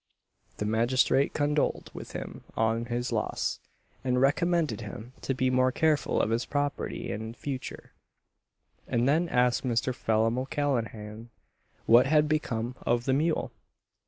The magistrate condoled with him on his loss, and recommended him to be more careful of his property in future; and then asked Mr. Phelim O'Callaghan what had become of the mule?